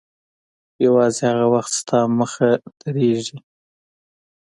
یوازې هغه وخت ستا مخته درېږي.